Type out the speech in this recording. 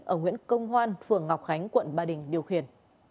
ở nguyễn công hoan phường ngọc khánh quận ba đình điều khiển